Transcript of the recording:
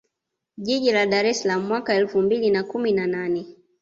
Jiji la Dar es Salaam mwaka elfu mbili na kumi na nane